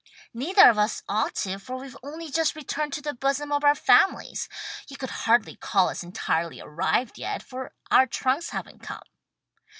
"Neither of us ought to, for we've only just returned to the bosom of our families. You could hardly call us entirely arrived yet, for our trunks haven't come."